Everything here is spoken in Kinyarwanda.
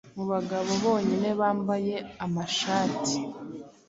Mubagabo bonyine bambaye amashati